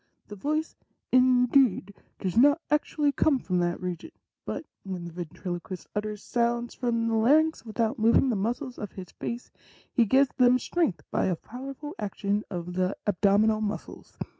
The voice, indeed, does not actually come from that region, but when the ventriloquist INTRODUCTION. 7 utters sounds from the larynx without moving the muscles of bis face, he gives them strength by a powerful action of the abdom inal muscles.